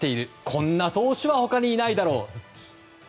こんな投手は他にいないだろうと。